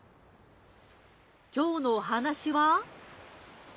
今日のお話は。